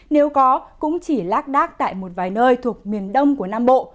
nếu có cũng chỉ lác đác tại một vài nơi thuộc miền đông của nam bộ